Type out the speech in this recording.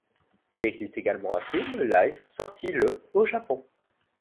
Il existe également un film live sorti le au Japon.